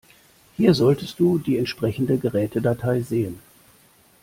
Hier solltest du die entsprechende Gerätedatei sehen.